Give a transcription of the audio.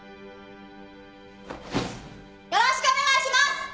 よろしくお願いします！